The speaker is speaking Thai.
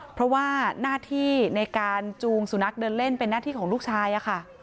เพราะว่าหน้าที่ในการจูงสุนัขเดินเล่นเป็นหน้าที่ของลูกชายค่ะ